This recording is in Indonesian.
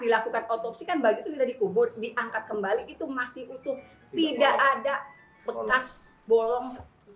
dilakukan otopsi kan begitu sudah dikubur diangkat kembali itu masih utuh tidak ada bekas bolong